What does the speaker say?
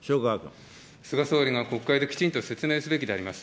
菅総理が国会できちんと説明すべきであります。